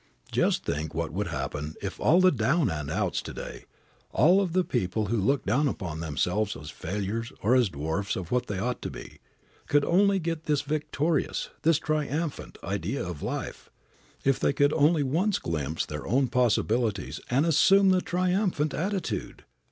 Just think what would happen if all of the down and outs to day, all of the people who look upon themselves as failures or as dwarfs of what they ought to be, could only get this victorious, this triumphant, idea of life, if they could only once glimpse their own possibilities and assume the triumphant attitude!